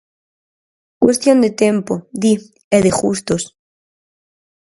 Cuestión de tempo, di, e de gustos.